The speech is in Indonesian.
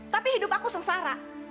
tapi hidup aku sengsara